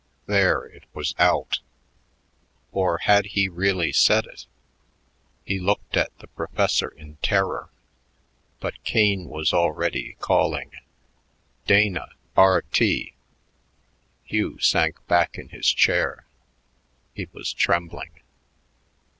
There! it was out! Or had he really said it? He looked at the professor in terror, but Kane was already calling, "Dana, R.T." Hugh sank back in his chair; he was trembling.